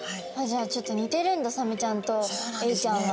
じゃあちょっと似てるんだサメちゃんとエイちゃんは。